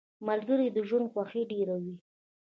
ملګری د ژوند خوښي ډېروي.